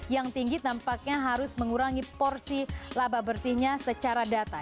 yang tinggi tampaknya harus mengurangi porsi laba bersihnya secara data